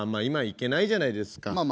今行けないじゃないですか。